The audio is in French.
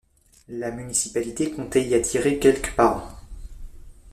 La municipalité comptait y attirer quelque par an.